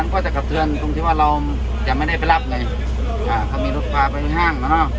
ก็จะเกิดเถินทุกทีวะเราจะไม่ได้ไปรับไหนอ่าเขามีรถคลาไปห้าง